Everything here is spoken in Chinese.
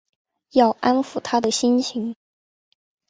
要安抚她的心情